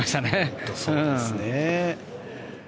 本当にそうですね。